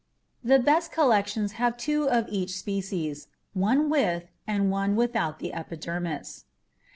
The best collection has two of each species one with and one without the epidermis.